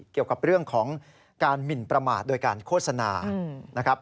เกี่ยวกับเรื่องของการหมินประมาทโดยการโฆษณานะครับ